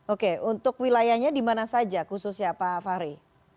oke untuk wilayahnya dimana saja khususnya pak fahri